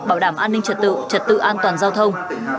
bảo đảm an ninh trật tự trật tự an toàn giao thông